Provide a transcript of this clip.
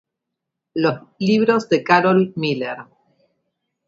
Libros de Carol Miller